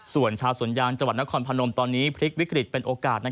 ส่วนชาวสวนยางจังหวัดนครพนมตอนนี้พลิกวิกฤตเป็นโอกาส